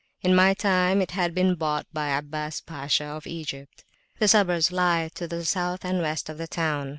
In my time it had been bought by Abbas Pasha of Egypt. [p.395]The suburbs lie to the South and West of the town.